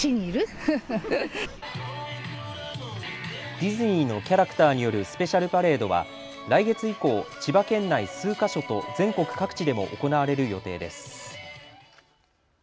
ディズニーのキャラクターによるスペシャルパレードは来月以降、千葉県内数か所と全国各地でも行われる予定です。